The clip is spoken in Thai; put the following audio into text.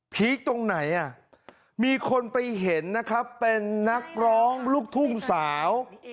คตรงไหนอ่ะมีคนไปเห็นนะครับเป็นนักร้องลูกทุ่งสาว